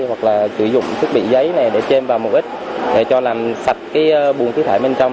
hoặc là sử dụng sức bị giấy này để chêm vào một ít để cho làm sạch cái buồn thiết hại bên trong